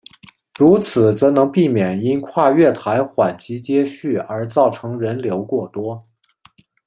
如此则能避免因跨月台缓急接续而造成人流过多。